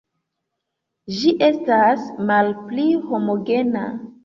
Ĝi estas malpli homogena.